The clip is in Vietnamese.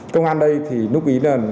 công an đây thì nút bí là